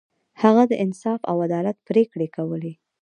هغه د انصاف او عدالت پریکړې کولې.